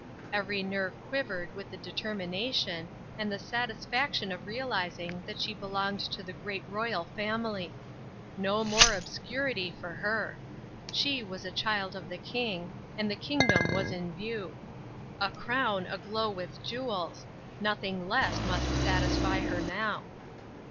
Every nerve quivered with the determination, and the satisfaction of realizing that she belonged to the great royal family. No more obscurity for her. She was a child of the King, and the kingdom was in view. A crown, aglow with jewels nothing less must satisfy her now.